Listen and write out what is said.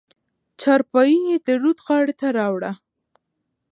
چارپايي يې د رود غاړې ته راوړه.